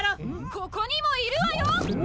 ・ここにもいるわよ！